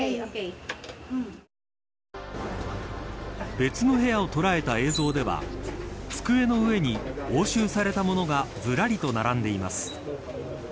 別の部屋を捉えた映像では机の上に、押収されたものがずらりと並んでいます。